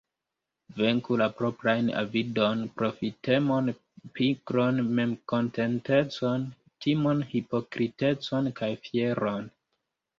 Venku la proprajn avidon, profitemon, pigron, memkontentecon, timon, hipokritecon kaj fieron.